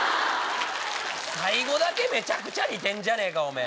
最後だけめちゃくちゃ似てんじゃねえかおめぇ。